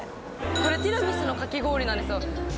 これティラミスのかき氷なんですよ